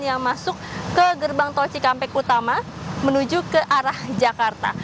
yang masuk ke gerbang tol cikampek utama menuju ke arah jakarta